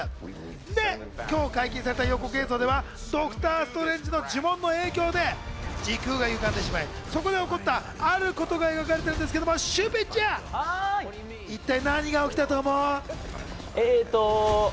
で、今日解禁された予告映像ではドクター・ストレンジの呪文の影響で時空がゆがんでしまい、そこで起こったあることが描かれているんですけど、シュウペイちゃん、一体何が起きたと思う？